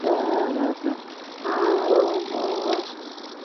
তার পরে হল কাঙালিবিদায়।